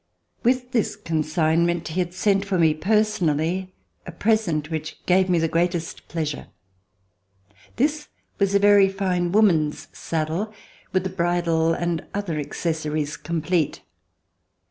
With this consignment, he had sent, for me personally, a present which gave me the greatest pleasure. This was a very fine woman's saddle, with a bridle and other accessories complete.